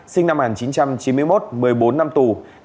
sinh năm một nghìn chín trăm chín mươi một một mươi bốn năm tù